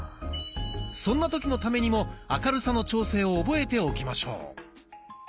そんな時のためにも明るさの調整を覚えておきましょう。